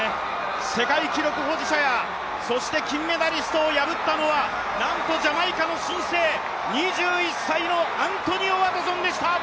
世界記録保持者や金メダリストを破ったのは、なんとジャマイカの新星２１歳のアントニオ・ワトソンでした。